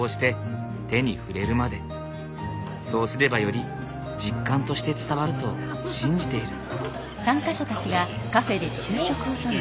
そうすればより実感として伝わると信じている。